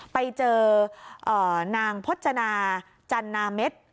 ไปเจอนางพจนาจันนาเม็ด